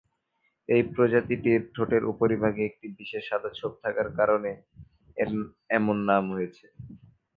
এই প্রজাতিটির ঠোঁটের উপরিভাগে একটি বিশেষ সাদা ছোপ থাকার কারণে এর এমন নাম হয়েছে।